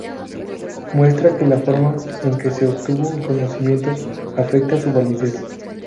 Muestra que la forma en que se obtuvo el conocimiento afecta su validez.